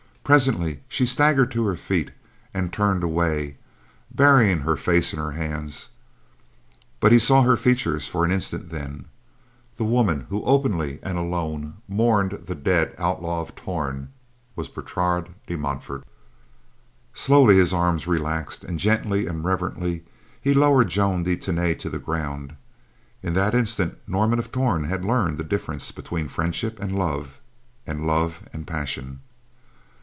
Presently she staggered to her feet and turned away, burying her face in her hands; but he saw her features for an instant then—the woman who openly and alone mourned the dead Outlaw of Torn was Bertrade de Montfort. Slowly his arms relaxed, and gently and reverently he lowered Joan de Tany to the ground. In that instant Norman of Torn had learned the difference between friendship and love, and love and passion.